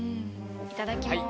いただきます。